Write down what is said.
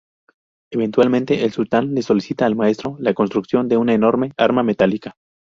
Eventualmente el sultán le solicita al maestro la construcción de una enorme arma metálica.